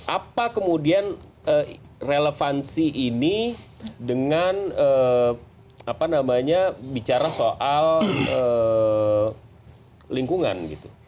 apa kemudian relevansi ini dengan bicara soal lingkungan gitu